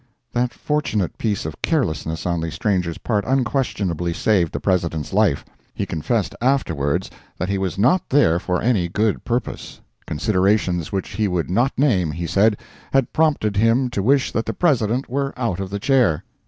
That fortunate piece of carelessness on the stranger's part unquestionably saved the President's life. He confessed afterwards that he was not there for any good purpose; considerations which he would not name, he said, had prompted him to wish that the President were out of the chair.